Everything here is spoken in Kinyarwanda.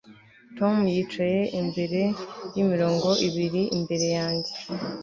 Tom yicaye imbere yimirongo ibiri imbere yanjye